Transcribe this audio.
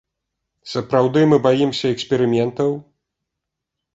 Сапраўды мы баімся эксперыментаў?